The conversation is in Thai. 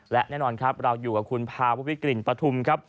และแน่นอนครับเราอยู่กับคุณภาววิกลิ่นปฐุมครับ